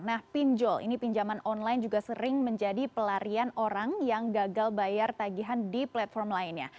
nah pinjol ini pinjaman online juga sering menjadi pelarian orang yang gagal bayar tagihan di platform lainnya